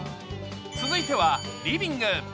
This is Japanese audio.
続いてはリビング。